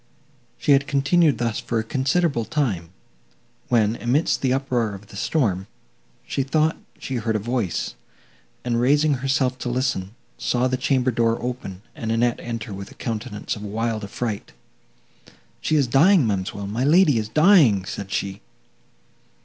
She had continued thus for a considerable time, when, amidst the uproar of the storm, she thought she heard a voice, and, raising herself to listen, saw the chamber door open, and Annette enter with a countenance of wild affright. "She is dying, ma'amselle, my lady is dying!" said she.